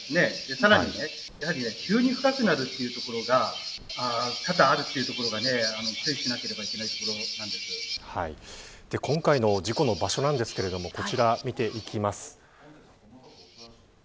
さらに、急に深くなるという所が多々あるというところが注意しなければ今回の事故の場所なんですけどこちら、見ていきます。